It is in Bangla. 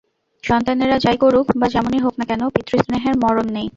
সন্তানেরা যাই করুক বা যেমনই হোক না কেন, পিতৃস্নেহের মরণ নেই।